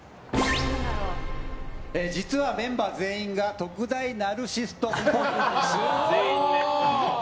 実はメンバー全員が特大ナルシストっぽい。